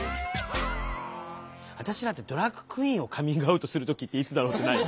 私らってドラァグクイーンをカミングアウトする時っていつだろうってない？